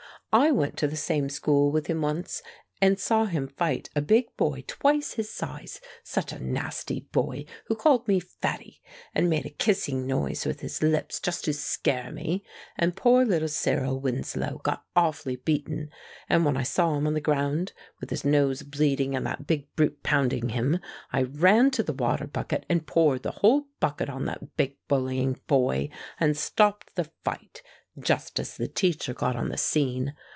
I went to the same school with him once, and saw him fight a big boy twice his size such a nasty boy, who called me 'Fatty,' and made a kissing noise with his lips just to scare me and poor little Cyril Winslow got awfully beaten, and when I saw him on the ground, with his nose bleeding and that big brute pounding him, I ran to the water bucket, and poured the whole bucket on that big, bullying boy and stopped the fight, just as the teacher got on the scene.